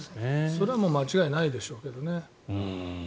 それはもう間違いないでしょうけどね。